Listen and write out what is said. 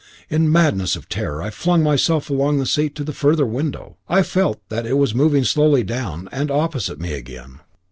In the madness of terror, I flung myself along the seat to the further window. Then I felt that it was moving slowly down, and was opposite me again.